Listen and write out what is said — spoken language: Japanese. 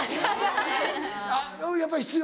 やっぱ必要？